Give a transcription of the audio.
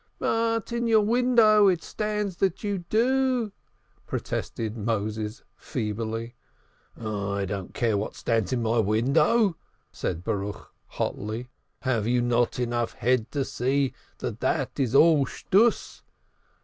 "But in your window it stands that you do," protested Moses feebly. "I don't care what stands in my window," said Baruch hotly. "Have you not head enough to see that that is all bunkum?